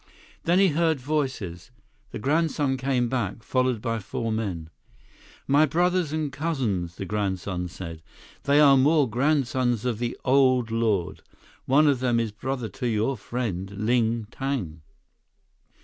Then he heard voices. The grandson came back, followed by four men. "My brothers and cousins," the grandson said. "They are more grandsons of the Old Lord. One of them is brother to your friend Ling Tang."